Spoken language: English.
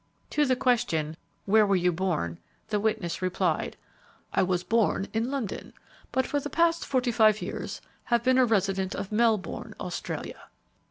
To the question, "Where were you born?" the witness replied, "I was born in London, but for the past forty five years have been a resident of Melbourne, Australia."